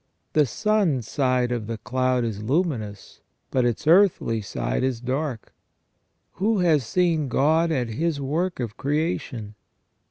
The sun's side of the cloud is luminous, but its earthly side is dark. Who has seen God at His work of creation